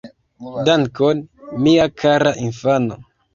Dankon. Mia kara infano